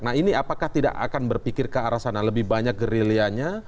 nah ini apakah tidak akan berpikir ke arah sana lebih banyak gerilyanya